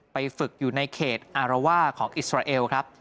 ฝึกอยู่ในเขตอารวาของอิสราเอลครับ